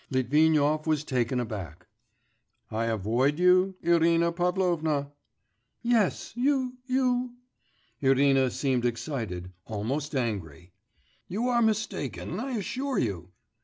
Litvinov was taken aback. 'I avoid you, Irina Pavlovna?' 'Yes, you ... you ' Irina seemed excited, almost angry. 'You are mistaken, I assure you.